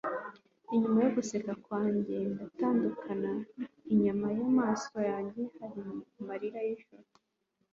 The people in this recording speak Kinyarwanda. inyuma yo guseka kwanjye ndatandukana inyuma y'amaso yanjye hari amarira nijoro